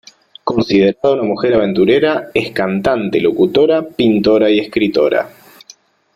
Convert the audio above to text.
Considerada una mujer aventurera es cantante, locutora, pintora, y escritora.